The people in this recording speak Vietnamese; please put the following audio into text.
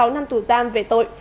sáu năm tù giam về tội